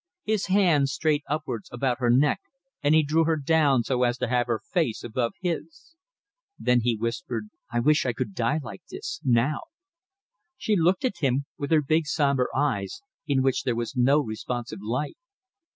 His hands strayed upwards about her neck, and he drew her down so as to have her face above his. Then he whispered "I wish I could die like this now!" She looked at him with her big sombre eyes, in which there was no responsive light.